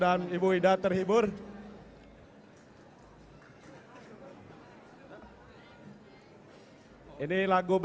jangan lupa yang anugerah yang kuasa